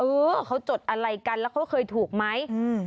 เออเขาจดอะไรกันแล้วเขาเคยถูกไหม